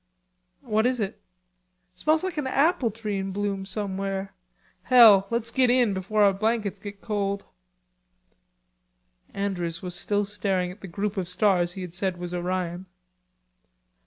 "What is it?" "Smells like an apple tree in bloom somewhere.... Hell, let's git in, before our blankets git cold." Andrews was still staring at the group of stars he had said was Orion.